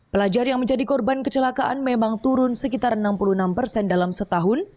pelajar yang menjadi korban kecelakaan memang turun sekitar enam puluh enam persen dalam setahun